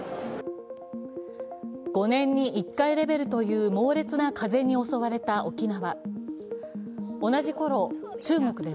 ５年に１回レベルという猛烈な風に襲われた沖縄。